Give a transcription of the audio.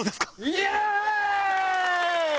イエーイ！